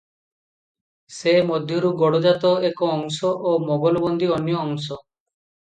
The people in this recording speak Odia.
ସେ ମଧ୍ୟରୁ ଗଡଜାତ ଏକ ଅଂଶ ଓ ମୋଗଲବନ୍ଦୀ ଅନ୍ୟ ଅଂଶ ।